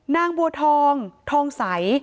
นางบัวทองทองใส